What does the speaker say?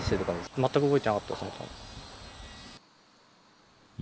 全く動いてなかったですね。